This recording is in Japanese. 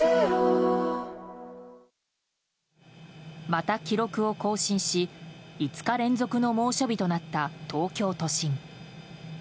また記録を更新し５日連続の猛暑日となった東京都心。